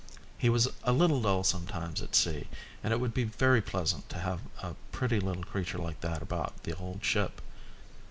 He was a little dull sometimes at sea and it would be very pleasant to have a pretty little creature like that about the old ship.